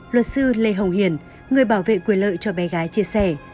luật sư lê hồng hiền người bảo vệ quyền lợi cho bé gái chia sẻ